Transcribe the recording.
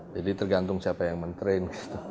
jadi tergantung siapa yang mentrain